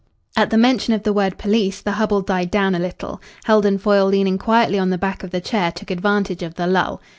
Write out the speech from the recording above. At the mention of the word police the hubble died down a little. Heldon Foyle, leaning quietly on the back of the chair, took advantage of the lull.